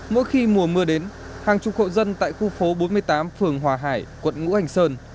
mỗi khi mùa mưa đến hàng chục hộ dân tại khu phố bốn mươi tám phường hòa hải quận ngũ hành sơn